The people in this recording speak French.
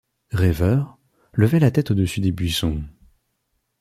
Rêveurs, levaient la tête au-dessus des buissons